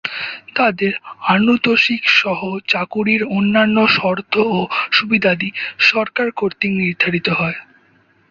তাদের আনুতোষিকসহ চাকুরির অন্যান্য শর্ত ও সুবিধাদি সরকার কর্তৃক নির্ধারিত হয়।